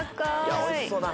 おいしそうだな。